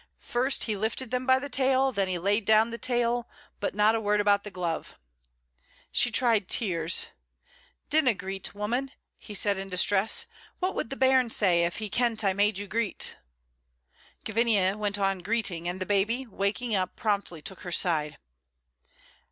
First he lifted them by the tail, then he laid down the tail. But not a word about the glove. She tried tears. "Dinna greet, woman," he said in distress. "What would the bairn say if he kent I made you greet?" Gavinia went on greeting, and the baby, waking up, promptly took her side.